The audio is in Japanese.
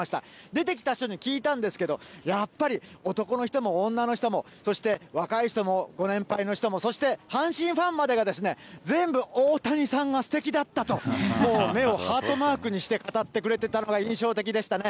出てきた人に聞いたんですけど、やっぱり男の人も女の人も、そして若い人も、ご年配の人も、そして、阪神ファンまでが、全部大谷さんがすてきだったと、目をハートマークにして語ってくれてたのが印象的でしたね。